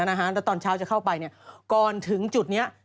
แล้วตอนเช้าจะเข้าไปก่อนถึงจุดนี้